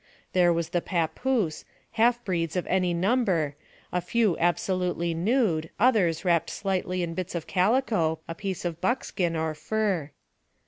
There was the papoose, half breeds of any number, a few absolutely nude, others wrapped slightly in bits of calico, a piece of buckskin, or fur.